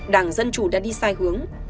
đảng dân chủ đã đi sai hướng